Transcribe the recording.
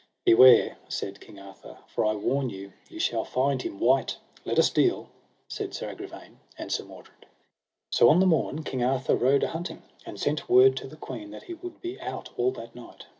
Beware, said King Arthur, for I warn you ye shall find him wight. Let us deal, said Sir Agravaine and Sir Mordred. So on the morn King Arthur rode a hunting, and sent word to the queen that he would be out all that night.